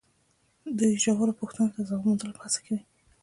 دوی ژورو پوښتنو ته د ځواب موندلو په هڅه کې وي.